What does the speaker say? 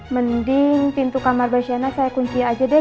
mending pintu kamar mbak shana saya kunci aja deh